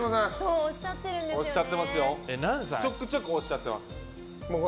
ちょくちょくおっしゃってます。